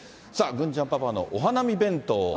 さあ、郡ちゃんパパのお花見弁当。